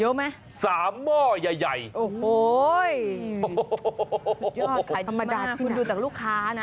เยอะไหม๓หม้อใหญ่โอ้โหสุดยอดขายดีมากคุณดูแต่ลูกค้านะ